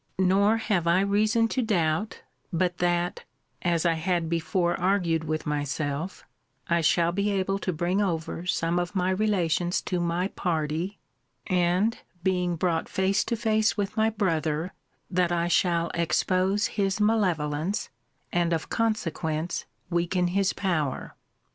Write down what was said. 'Nor have I reason to doubt, but that (as I had before argued with myself) I shall be able to bring over some of my relations to my party; and, being brought face to face with my brother, that I shall expose his malevolence, and of consequence weaken his power.